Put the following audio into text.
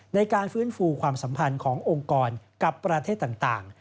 ในการฟื้นฟูความสัมพันธ์ขององค์กรกับประเทศต่าง